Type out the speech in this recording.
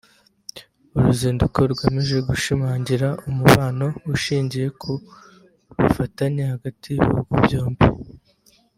uruzinduko rugamije gushimangira umubano ushingiye ku bufatanye hagati y’ibihugu byombi